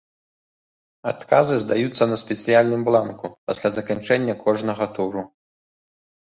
Адказы здаюцца на спецыяльным бланку пасля заканчэння кожнага туру.